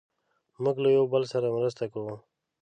موږ له یو بل سره مرسته کوو.